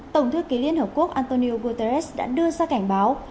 tổng thư ký liên hợp quốc antonio guterres đã đưa ra cảnh báo